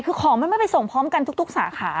คือของมันไม่ไปส่งพร้อมกันทุกสาขา